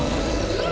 うわ！